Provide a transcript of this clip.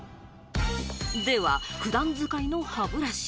では、普段使いの歯ブラシ。